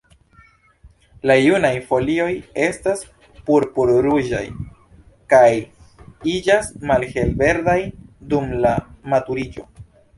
La junaj folioj estas purpur-ruĝaj, kaj iĝas malhelverdaj dum la maturiĝo.